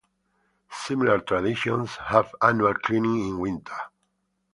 Similar traditions have annual cleaning in winter.